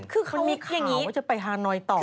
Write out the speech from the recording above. คือเขามีข่าวจะกลับไปฮาหนอยต่อนี้